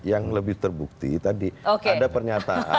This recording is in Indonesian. yang lebih terbukti tadi ada pernyataan